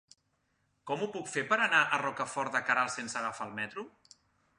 Com ho puc fer per anar a Rocafort de Queralt sense agafar el metro?